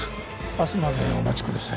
明日までお待ちください。